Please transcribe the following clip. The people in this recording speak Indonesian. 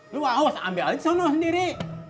lo haus ambil aja soalnya lo sendiri